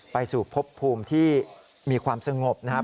ไปสู่พบภูมิที่มีความสงบนะครับ